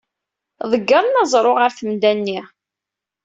Ḍeggren aẓru ɣer temda-nni.